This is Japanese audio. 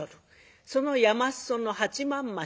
その山裾の八幡町。